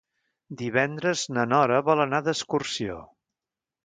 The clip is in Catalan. Divendres na Nora vol anar d'excursió.